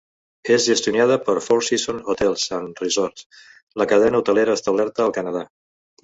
És gestionada per Four Seasons Hotels and Resorts, la cadena hotelera establerta al Canadà.